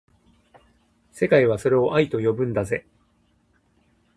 世界はそれを愛と呼ぶんだぜ